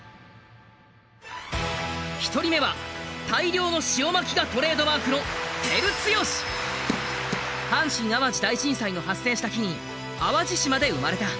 １人目は大量の塩まきがトレードマークの阪神・淡路大震災の発生した日に淡路島で生まれた。